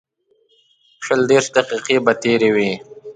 شل دېرش دقیقې به تېرې وې.